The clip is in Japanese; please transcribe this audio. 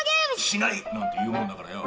「しない！」なんて言うもんだからよ